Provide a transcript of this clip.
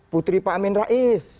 putri pak amin rais